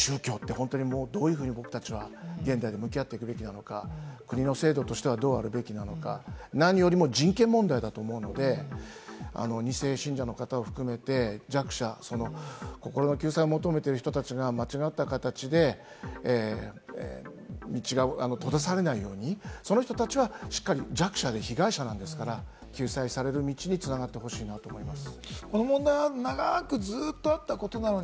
本当に、どういうふうに僕たちは現代で向き合っていくべきなのか、国の制度としてはどうあるべきなのか、何よりも人権問題だと思うので、２世信者の方を含めて、弱者、その心の救済を求めている人たちが間違った形で道が閉ざされないように、その人たちは弱者であり、被害者なんですから、救済される道に繋がってほしいなと思います。